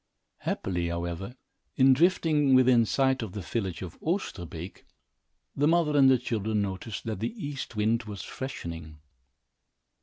Happily, however, in drifting within sight of the village of Osterbeek, the mother and the children noticed that the east wind was freshening.